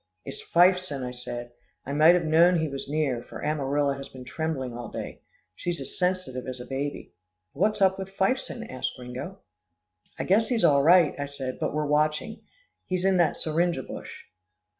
"It's Fifeson," I said. "I might have known he was near, for Amarilla has been trembling all day. She's as sensitive as a baby." "What's up with Fifeson?" asked Gringo. "I guess he's all right," I said, "but we're watching. He's in that syringa bush."